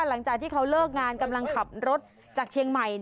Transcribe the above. หลังจากที่เขาเลิกงานกำลังขับรถจากเชียงใหม่